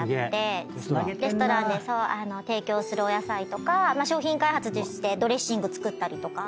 レストランで提供するお野菜とか商品開発してドレッシング作ったりとか。